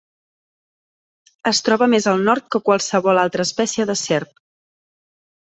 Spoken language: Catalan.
Es troba més al nord que qualsevol altra espècie de serp.